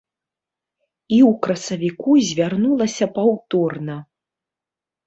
І ў красавіку звярнулася паўторна.